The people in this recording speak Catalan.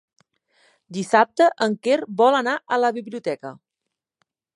Dissabte en Quer vol anar a la biblioteca.